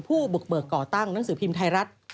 บุกเบิกก่อตั้งหนังสือพิมพ์ไทยรัฐ